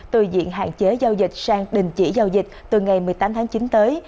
từ diện hạn chế giao dịch sang đình chỉ giao dịch từ ngày một mươi tám tháng chín tới